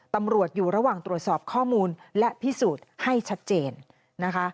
ตำรวจอยู่ระหว่างตรวจสอบข้อมูลและพิสูจน์ให้ชัดเจนนะคะ